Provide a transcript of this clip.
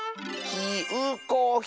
きうこひ！